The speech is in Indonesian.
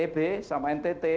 juga banyak yang tidak terbuka